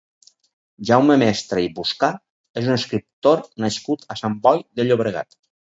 Jaume Mestres i Buscà és un escriptor nascut a Sant Boi de Llobregat.